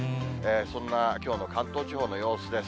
そんなきょうの関東地方の様子です。